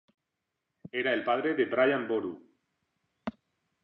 Era el padre de Brian Boru.